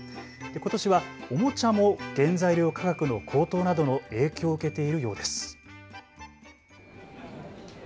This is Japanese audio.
ことしは、おもちゃも原材料価格の高騰などの影響を受けているようです。